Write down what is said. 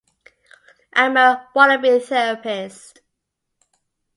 I'm a wannabe therapist.